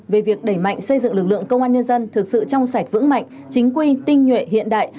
về việc đẩy mạnh xây dựng lực lượng công an nhân dân thực sự trong sạch vững mạnh chính quy tinh nhuệ hiện đại